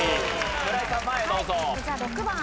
村井さん前へどうぞ。